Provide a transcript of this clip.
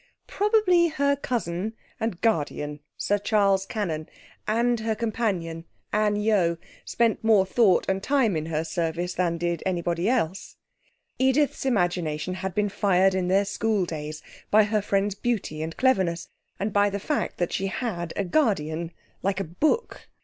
Probably her cousin and guardian, Sir Charles Cannon, and her companion, Anne Yeo, spent more thought and time in her service than did anybody else. Edith's imagination had been fired in their school days by her friend's beauty and cleverness, and by the fact that she had a guardian, like a book.